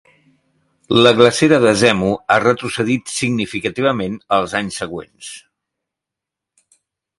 La glacera de Zemu ha retrocedit significativament els anys següents.